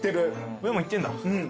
上もいってんだ。